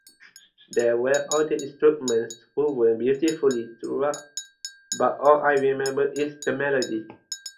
There were other instruments woven beautifully through, but all I remember is the melody.